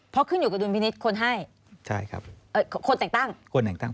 เพราะขึ้นอยู่กับดุลพินิษฐ์คนให้ใช่ครับเอ่อคนแต่งตั้งคนแต่งตั้ง